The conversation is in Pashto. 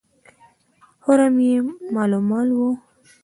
حرم یې مالامال وو.